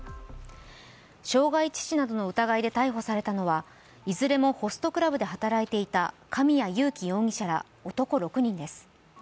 傷害致死などの疑いで逮捕されたのはいずれもホストクラブで働いていた神谷勇輝容疑者ら男６人です。